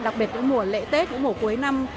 đặc biệt những mùa lễ tết những mùa cuối năm